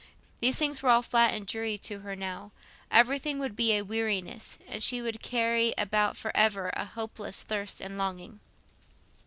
These things were all flat and dreary to her now; everything would be a weariness, and she would carry about for ever a hopeless thirst and longing.